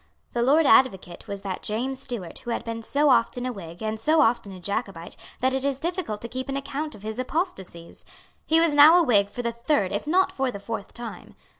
The Lord Advocate was that James Stewart who had been so often a Whig and so often a Jacobite that it is difficult to keep an account of his apostasies. He was now a Whig for the third if not for the fourth time.